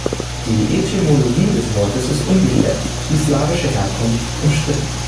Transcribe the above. Die Etymologie des Wortes ist ungeklärt, die slawische Herkunft umstritten.